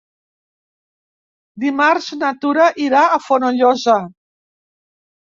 Dimarts na Tura irà a Fonollosa.